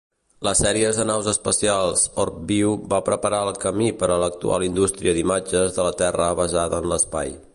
Les sèries de naus espacials OrbView va preparar el camí per a l'actual indústria d'imatges de la Terra basada en l'espai.